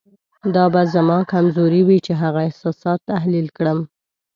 دا به زما کمزوري وي چې هغه احساسات تحلیل کړم.